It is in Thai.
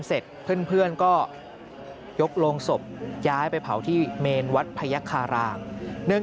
เสร็จเพื่อนก็ยกโรงศพย้ายไปเผาที่เมนวัดพยักคารามเนื่อง